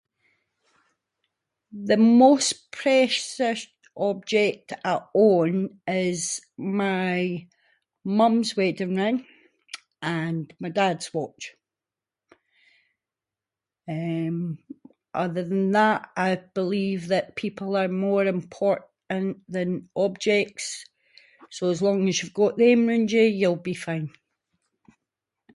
The most precious object I own is my mum’s wedding ring and my dad’s watch, eh, other than that I believe that people are more important than objects so as long as you’ve got them round you, you’ll be fine.